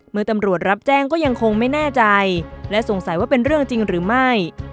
เมื่อตำรวจรับแจ้งก็ยังคงไม่แน่ใจและสงสัยว่าเป็นเรื่องจริงหรือไม่